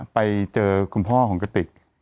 ไปเจอคุณพ่อของกติก